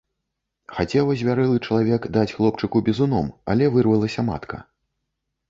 Хацеў азвярэлы чалавек даць хлопчыку бізуном, але вырвалася матка.